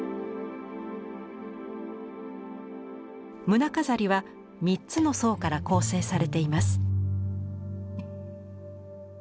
胸飾りは３つの層から構成されています。